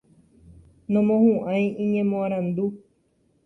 Nomohu'ãi iñemoarandu.